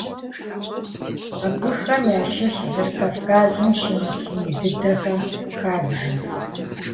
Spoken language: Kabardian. Абыхэм ящыщ зыр Кавказым щынэхъ ин дыдэхэм хабжэ.